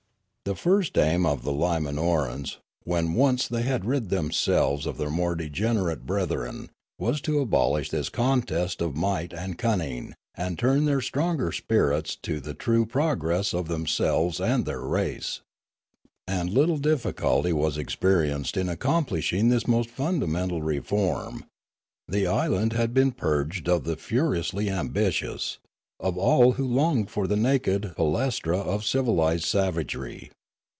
The first aim of the Limanorans, when once they had rid themselves of their more degenerate brethren, was to abolish this contest of might and cunning, and turn their stronger spirits to the true progress of them selves and their race. And little difficulty was ex perienced in accomplishing this most fundamental reform ; the island had been purged of the furiously ambitious, of all who longed for the naked palaestra of civilised savagery.